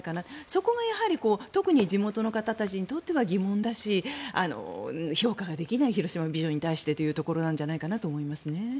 そこが特に地元の方にとっては疑問だし、評価ができない広島ビジョンに対してというところなんじゃないかと思いますね。